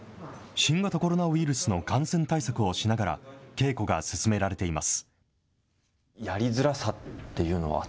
新型コロナウイルスの感染対策をしながら、稽古が進められています。